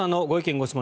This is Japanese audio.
・ご質問